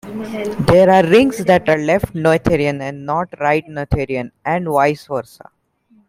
There are rings that are left-Noetherian and not right-Noetherian, and vice versa.